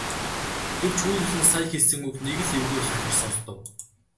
Гэвч хүүгийн нь сая хэлсэн үг нэг л эвгүй хахир сонстов.